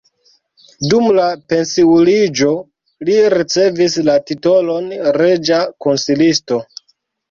Dum la pensiuliĝo li ricevis la titolon reĝa konsilisto.